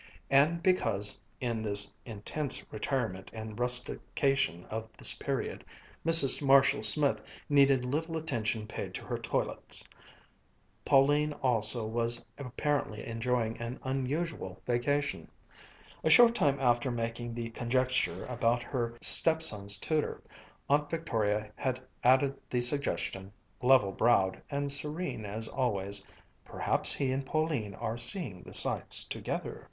And because, in the intense retirement and rustication of this period, Mrs. Marshall Smith needed little attention paid to her toilets, Pauline also was apparently enjoying an unusual vacation. A short time after making the conjecture about her stepson's tutor, Aunt Victoria had added the suggestion, level browed, and serene as always, "Perhaps he and Pauline are seeing the sights together."